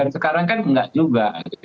sekarang kan enggak juga